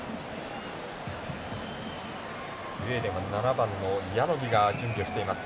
スウェーデンは７番のヤノギが準備をしています。